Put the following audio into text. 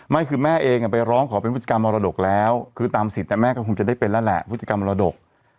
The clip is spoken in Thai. ไม่คือแม่เองไปร้องขอเป็นพฤติกรรมมรดกแล้วคือตามสิทธิ์แม่ก็คงจะได้เป็นแล้วแหละพฤติกรรมมรดก